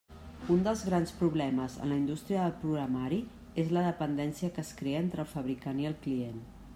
Un dels grans problemes en la indústria del programari és la dependència que es crea entre el fabricant i el client.